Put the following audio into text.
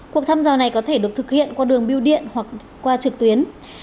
cuộc thăm dò này có thể được thực hiện qua đường biêu điện hoặc qua trực tuyến